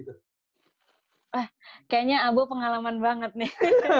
wah kayaknya abu pengalaman banget nih